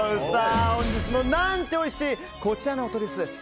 本日も何ておいしいこちらのお取り寄せです。